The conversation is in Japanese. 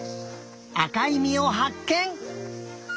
あかいみをはっけん！